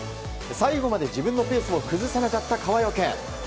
最後まで自分のペースを崩さなかった川除。